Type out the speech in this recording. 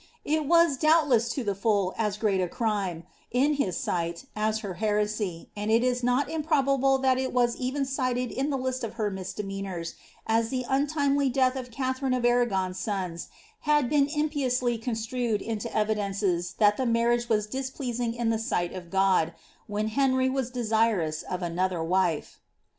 It was doubtless to tin full ss great a crime, in his sight, as her heresy, and it is not improbabls that it was even cited in the list of her misdemeanours, as the untim^ death of Katharine of Arragon^s sons had been impiously construtd into evidences that tlie marriage was displeasing in the sight of God, when Henry was desirous of another wife.